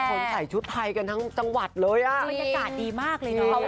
เหนียวผมใส่ชุดไทยกันทั้งจังหวัดเลยอะมันบริจาะดีมากเลยนะ